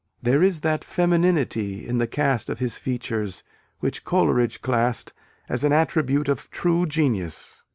There is that femininity in the cast of his features, which Coleridge classed as an attribute of true genius.